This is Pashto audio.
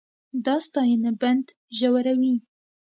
دا ستاینه بند ژوروي.